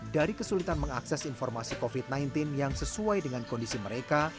dari kesulitan mengakses informasi covid sembilan belas yang sesuai dengan kondisi mereka